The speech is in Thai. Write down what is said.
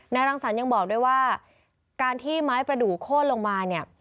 รังสรรค์ยังบอกด้วยว่าการที่ไม้ประดูกโค้นลงมาเนี่ย